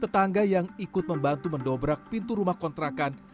tetangga yang ikut membantu mendobrak pintu rumah kontrakan